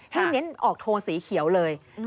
เน้นออกโทนสีเขียวเลย